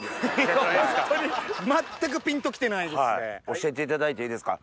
教えていただいていいですか？